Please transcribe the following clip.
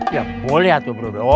ya boleh tuh bro